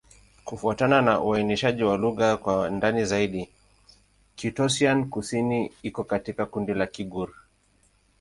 Kufuatana na uainishaji wa lugha kwa ndani zaidi, Kitoussian-Kusini iko katika kundi la Kigur.